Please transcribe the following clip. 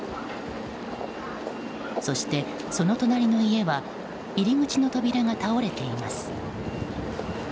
そして、その隣の家は入り口の扉が倒れています。